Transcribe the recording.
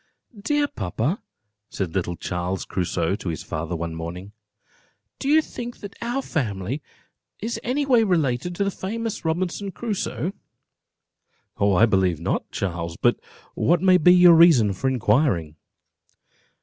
"Dear papa," said little Charles Crusoe to his father, one morning, "do you think that our family is any way related to the famous Robinson Crusoe?" "I believe not, Charles: but what may be your reason for inquiring?"